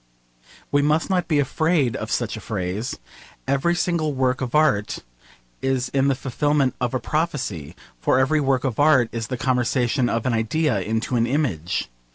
We must not be afraid of such a phrase. Every single work of art is the fulfilment of a prophecy: for every work of art is the conversion of an idea into an image.